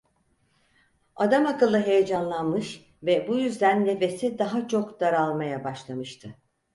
Adamakıllı heyecanlanmış ve bu yüzden nefesi daha çok daralmaya başlamıştı.